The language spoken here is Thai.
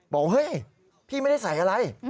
บอกเฮ้ยพี่ไม่ได้ใส่อะไร